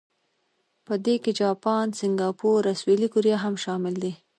په دې کې جاپان، سنګاپور او سویلي کوریا هم شامل دي.